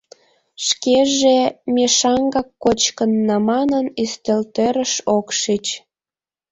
Шкеже «ме шаҥгак кочкынна» манын, ӱстелтӧрыш ок шич.